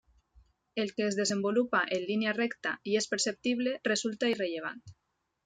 El que es desenvolupa en línia recta i és perceptible resulta irrellevant.